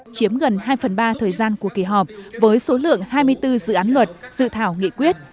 chiếm gần hai phần ba thời gian của kỳ họp với số lượng hai mươi bốn dự án luật dự thảo nghị quyết